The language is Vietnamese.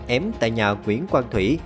ém tại nhà nguyễn quang thủy